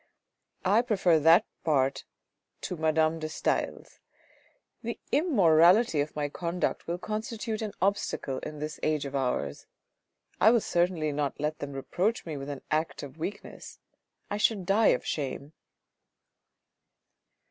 I prefer that part to Madame de Stael's ; the immorality of my conduct will constitute an obstacle in this age of ours. I will certainly not let them reproach me with an act of weakness ; I should die of shame."